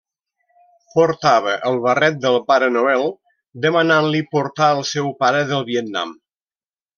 Portava el barret del pare Noel demanant-li portar el seu pare del Vietnam.